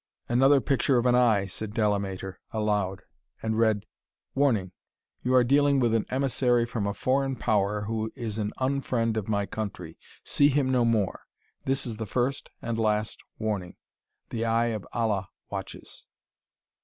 "Another picture of an eye," said Delamater aloud, and read: "'Warning. You are dealing with an emissary from a foreign power who is an unfriend of my country. See him no more. This is the first and last warning. The Eye of Allah watches.'